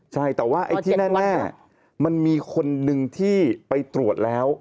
ใช่แต่ว่าไอ้ที่แน่มันมีคนหนึ่งที่ไปตรวจแล้ว